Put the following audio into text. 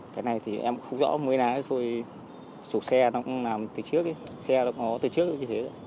cái này thì em cũng không rõ mỗi lần tôi sụp xe nó cũng làm từ trước xe nó cũng có từ trước như thế